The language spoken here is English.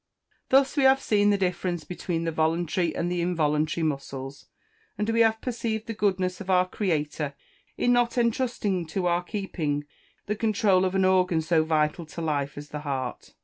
] Thus we have seen the difference between the voluntary and the involuntary muscles, and we have perceived the goodness of our Creator in not entrusting to our keeping the controul of an organ so vital to life, as the heart.